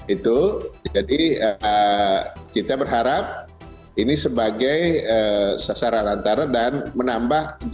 itu jadi kita berharap ini sebagai sasaran antara dan menambah